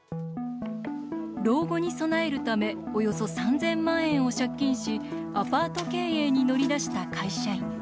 老後に備えるためおよそ３０００万円を借金しアパート経営に乗り出した会社員。